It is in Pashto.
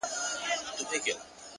هره ورځ نوی پیل لري!